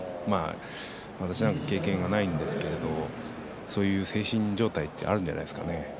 私なんかは経験がないんですけどそういう精神状態ってあるんじゃないですかね。